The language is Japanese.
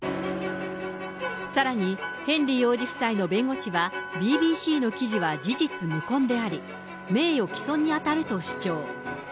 さらにヘンリー王子夫妻の弁護士は、ＢＢＣの記事は事実無根であり、名誉毀損に当たると主張。